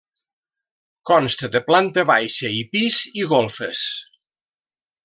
Consta de planta baixa i pis i golfes.